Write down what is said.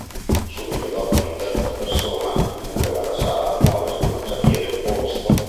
Subito dopo una terza persona, in fuga dalla sala, muore sul marciapiede opposto.